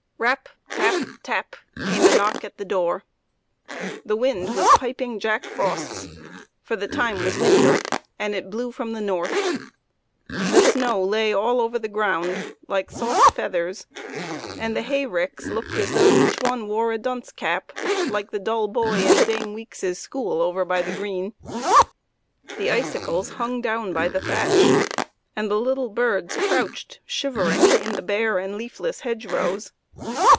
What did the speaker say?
Rap ! tap ! tap ! came a knock at the door. The wind was piping Jack Frost's, for the time was winter, and it blew from the north. The snow lay all over the ground, like soft feathers, and the hay ricks looked as though each one wore a dunce cap, like the dull boy in Dame Week's school over by the green. The icicles hung down by the thatch, and the little birds crouched shiver ing in the bare and leafless hedge rows.